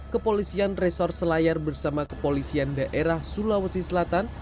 kepolisian resor selayar bersama kepolisian daerah sulawesi selatan